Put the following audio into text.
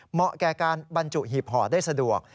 เหมาะแก่การบรรจุหีบห่อได้สะดวก